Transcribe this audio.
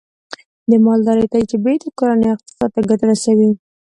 د مالدارۍ تجربه د کورنۍ اقتصاد ته ګټه رسوي.